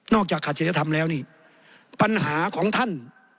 จากขัดจริยธรรมแล้วนี่ปัญหาของท่าน